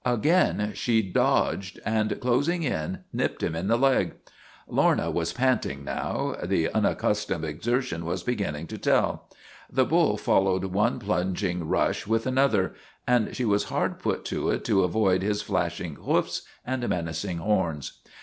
Again she dodged, and, closing in, nipped him in the leg. Lorna was panting now; the unaccustomed exer tion was beginning to tell. The bull followed one plunging rush with another, and she was hard put to it to avoid his flashing hoofs and menacing horns.